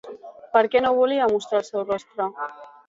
Per què no volia mostrar el seu rostre?